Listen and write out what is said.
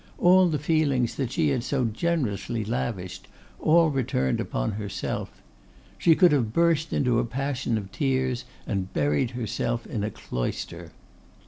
All the feelings that she had so generously lavished, all returned upon herself. She could have burst into a passion of tears and buried herself in a cloister.